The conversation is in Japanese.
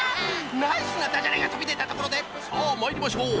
ナイスなダジャレがとびでたところでさあまいりましょう。